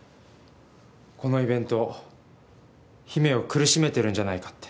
このイベント姫を苦しめてるんじゃないかって。